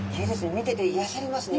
見てて癒やされますね。